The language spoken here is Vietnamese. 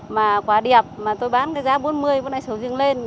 mà quá đẹp mà tôi bán cái giá bốn mươi bữa nay sầu riêng lên